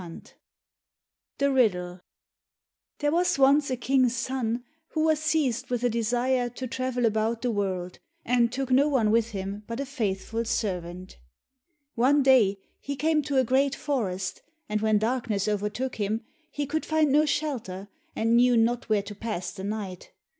22 The Riddle There was once a King's son who was seized with a desire to travel about the world, and took no one with him but a faithful servant. One day he came to a great forest, and when darkness overtook him he could find no shelter, and knew not where to pass the night.